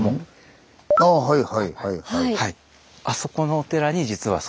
ああはいはいはいはい。